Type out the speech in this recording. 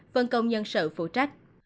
phân công nhân sự phụ trách